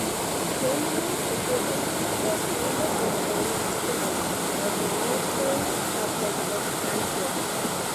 Germinal Ekeren was founded in the town of Ekeren, a northern suburb of Antwerp.